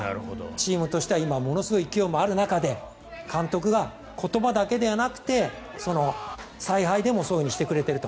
チームとしてはものすごい勢いがある中で監督が言葉だけではなくて采配でもそうしてくれていると。